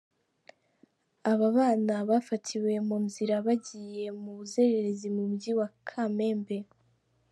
Aba bana bafatiwe mu nzira bagiye mu buzererezi mu mujyi wa Kamembe.